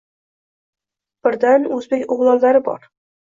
Birdan o‘zbek o‘g‘lonlari bor.